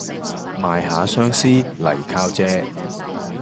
賣吓相思嚟靠借